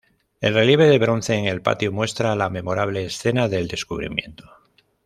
El relieve de bronce en el patio muestra la memorable escena del descubrimiento.